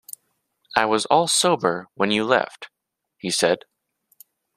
"I was all sober when you left," he said.